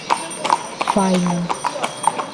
Faina